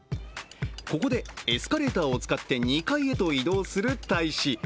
ここでエスカレーターを使って２階へと移動する大使。